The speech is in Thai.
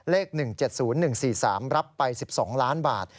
เลข๑๗๐๑๔๓รับไป๑๒ล้านบาท